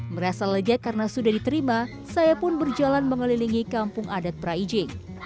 merasa lega karena sudah diterima saya pun berjalan mengelilingi kampung adat praijing